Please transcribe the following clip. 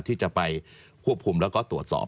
ที่จะไปควบคุมแล้วก็ตรวจสอบ